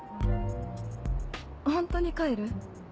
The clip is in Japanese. ホントに帰る？